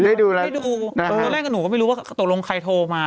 ได้ดูตอนแรกกับหนูก็ไม่รู้ว่าตกลงใครโทรมา